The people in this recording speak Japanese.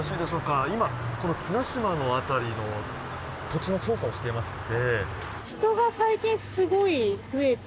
今この綱島の辺りの土地の調査をしていまして。